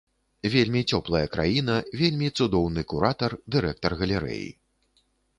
Вельмі цёплая краіна, вельмі цудоўны куратар, дырэктар галерэі.